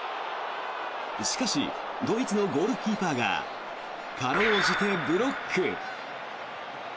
しかしドイツのゴールキーパーが辛うじてブロック。